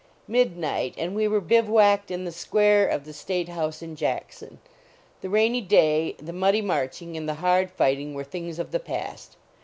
Midnight, and we were bivouacked in the square of the state house in Jackson. The rainy day, the muddy marching, and the hard fighting were things of the past.